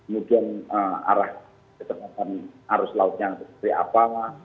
mudah mudahan arah keterangan arus lautnya seperti apa